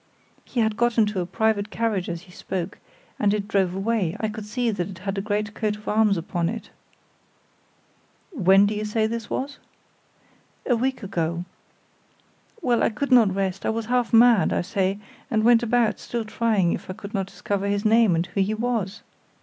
"He had got into a private carriage as he spoke, and it drove away; I could see that it had a great coat of arms upon it." "When do you say this was?" "A week ago. Well, I could not rest; I was half mad, I say, and went about, still trying if I could not discover his name and who he was.